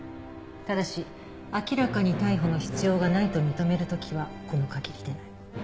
ただし明らかに逮捕の必要がないと認める時はこの限りでない。